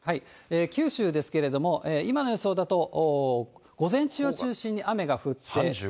九州ですけれども、今の予想だと、午前中を中心に雨が降って。